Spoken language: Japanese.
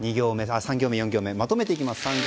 ３行目、４行目まとめていきます。